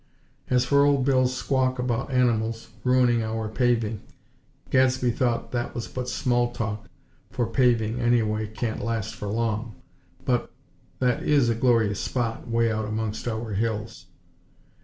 As for Old Bill's squawk about animals "ruining our paving," Gadsby thought that was but small talk, for paving, anyway, can't last for long. But, that is a glorious spot, way out amongst our hills!